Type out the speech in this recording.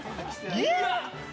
いや。